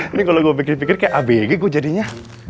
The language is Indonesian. ini kalau gue pikir pikir kayak abg gue jadinya